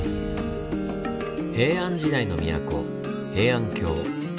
平安時代の都平安京。